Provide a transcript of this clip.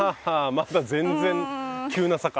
まだ全然急な坂。